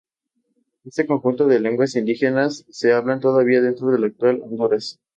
Este conjunto de lenguas indígenas se hablan todavía dentro de la actual Honduras.